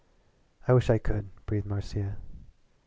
"I wish I could," breathed Marcia.